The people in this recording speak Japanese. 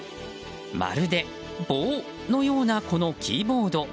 まるで、棒のようなこのキーボード。